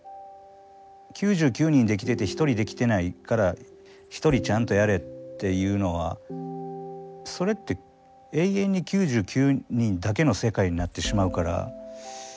９９人できてて１人できてないから「１人ちゃんとやれ」っていうのはそれって永遠に９９人だけの世界になってしまうから。